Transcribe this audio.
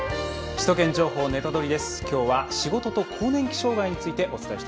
「首都圏情報ネタドリ！」